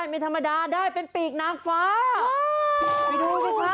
มันเป็นปีกนางฟ้า